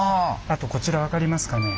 あとこちら分かりますかね？